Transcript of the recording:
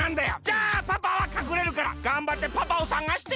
じゃあパパはかくれるからがんばってパパを探してね！